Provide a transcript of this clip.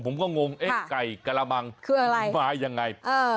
ผมก็งงเอ๊ะไก่กระมังคืออะไรมายังไงเออ